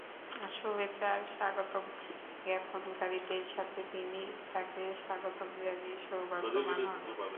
শুভেচ্ছা আর স্বাগতম জ্ঞাপনকারীদের সাথে তিনি তাঁকে স্বাগতম জানিয়ে সৌভগ্যবান হননি।